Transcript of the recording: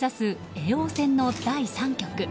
叡王戦の第３局。